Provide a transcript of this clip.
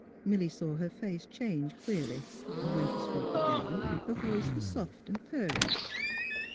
Milly saw her face change queerly. When she spoke again, her voice was soft and purring.